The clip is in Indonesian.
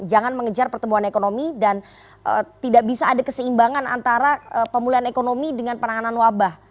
jangan mengejar pertumbuhan ekonomi dan tidak bisa ada keseimbangan antara pemulihan ekonomi dengan penanganan wabah